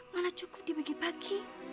mana cukup dibagi bagi